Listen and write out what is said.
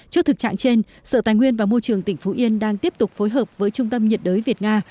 trước thực trạng trên sở tài nguyên và môi trường tỉnh phú yên đang tiếp tục phối hợp với trung tâm nhiệt đới việt nga